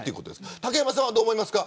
竹山さんは、どう思いますか。